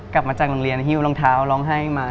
กลับมาจากโรงเรียนหิ้วรองเท้าร้องไห้มา